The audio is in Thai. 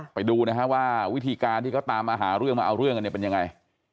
ไปดูนะฮะว่าวิธีการที่เขาตามมาหาเรื่องมาเอาเรื่องกันเนี่ยเป็นยังไง